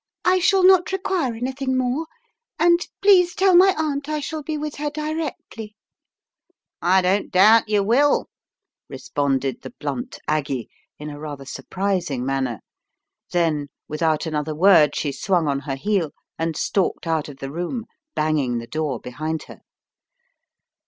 I shall not require any thing more, and please tell my aunt I shall be with her directly/' "I don't doubt you will/' responded the blunt Aggie in a rather surprising manner, then without another word she swung on her heel, and stalked out of the room, banging the door behind her.